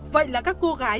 vậy là các cô gái